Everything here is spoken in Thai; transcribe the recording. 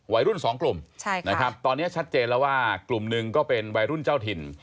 วัยรุ่นสองกลุ่มตอนนี้ชัดเจนแล้วว่ากลุ่มหนึ่งก็เป็นวัยรุ่นเจ้าถิ่น